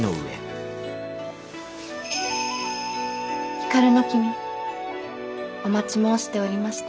光の君お待ち申しておりました。